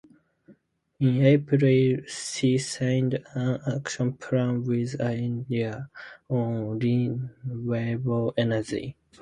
In April, she signed an action plan with India on renewable energy.